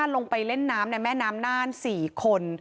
ลงไปเล่นน้ำในแม่น้ำน่าน๔คน